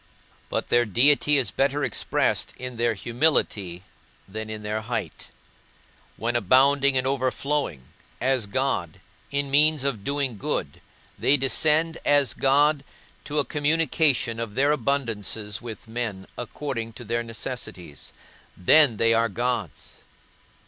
But their deity is better expressed in their humility than in their height; when abounding and overflowing, as God, in means of doing good, they descend, as God, to a communication of their abundances with men according to their necessities, then they are gods.